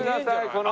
この。